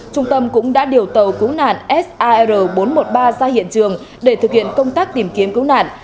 trung tâm cũng đã điều tàu cứu nạn sar bốn trăm một mươi ba ra hiện trường để thực hiện công tác tìm kiếm cứu nạn